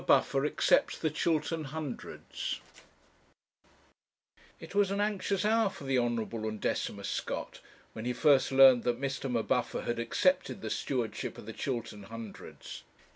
M'BUFFER ACCEPTS THE CHILTERN HUNDREDS It was an anxious hour for the Honourable Undecimus Scott when he first learnt that Mr. M'Buffer had accepted the Stewardship of the Chiltern Hundreds.